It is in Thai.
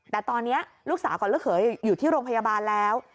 แต่ตอนนี้ลูกสาวกับลูกเขยอยู่ที่โรงพยาบาลแล้ว